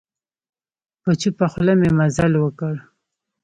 په چوپه خوله مي مزل وکړ .